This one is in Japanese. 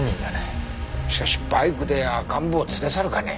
しかしバイクで赤ん坊を連れ去るかね？